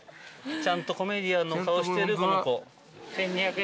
ちゃんとコメディアンの顔してるこの子。